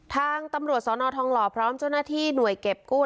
ทางตำรวจสนทองหล่อพร้อมเจ้าหน้าที่หน่วยเก็บกู้